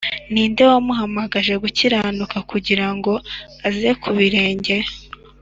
Ni nde wamuhamagaje gukiranuka kugira ngo aze ku birenge